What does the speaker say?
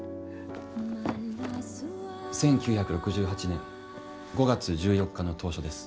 １９６８年５月１４日の投書です。